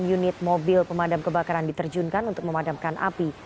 delapan unit mobil pemadam kebakaran diterjunkan untuk memadamkan api